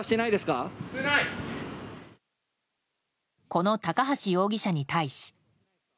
この高橋容疑者に対し。